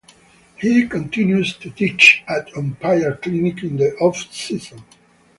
He continues to teach at umpire clinics in the off-season.